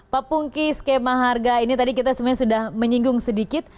pak pungki skema harga ini tadi kita sebenarnya sudah menyinggung sedikit